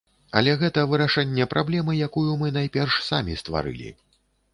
Але гэта вырашэнне праблемы, якую мы найперш самі стварылі.